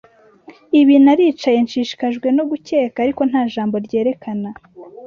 ibi naricaye nshishikajwe no gukeka, ariko nta jambo ryerekana